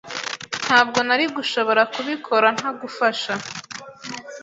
Ntabwo nari gushobora kubikora ntagufasha.